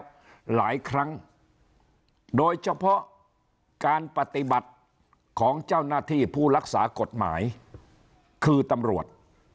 หลายครั้งโดยเฉพาะการปฏิบัติของเจ้าหน้าที่ผู้รักษากฎหมายคือตำรวจ